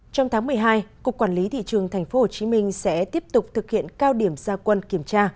trong tháng một mươi hai cục quản lý thị trường tp hcm sẽ tiếp tục thực hiện cao điểm gia quân kiểm tra